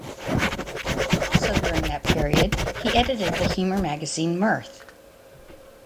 Also during that period, he edited the humour magazine "Mirth".